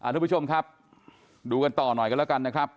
ทุกผู้ชมครับดูกันต่อหน่อยกันแล้วกันนะครับ